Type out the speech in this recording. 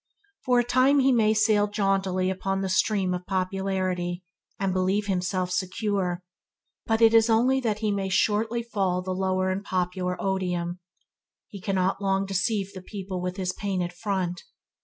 For a time he may sail jauntily upon the stream of popularity, and believe himself secure, but it is only that he may shortly fall the lower in popular odium. He cannot long deceive the people with his painted front.